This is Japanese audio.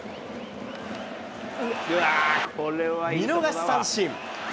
見逃し三振。